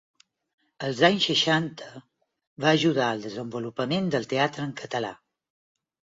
Els anys seixanta va ajudar al desenvolupament del teatre en català.